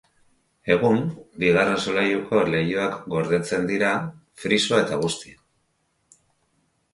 Egun, bigarren solairuko leihoak gordetzen dira, frisoa eta guzti.